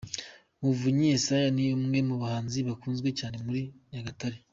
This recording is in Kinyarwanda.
Muvunyi Yesaya ni umwe mu bahanzi bakunzwe cyane muri Nyagatare.